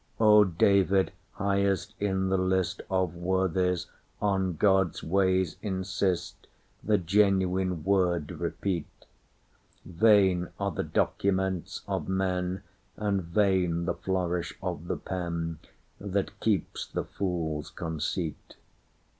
O David, highest in the listOf worthies, on God's ways insist, The genuine word repeat! Vain are the documents of men, And vain the flourish of the penThat keeps the fool's conceit.